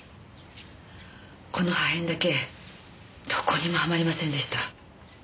この破片だけどこにもはまりませんでした。